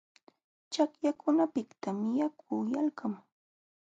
Chaqyakunapiqtam yaku yalqamun.